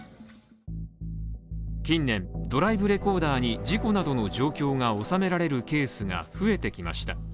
近年、ドライブレコーダーに、事故などの状況が収められるケースが増えてきました